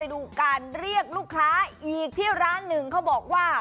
ดูการเรียกลูกค้าอีกที่ร้านหนึ่งเขาบอกว่า